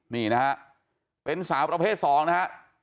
นี่นะครับเป็นสาวประเภทสองนะครับ